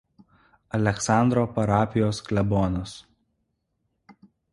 Aleksandro parapijos" klebonas.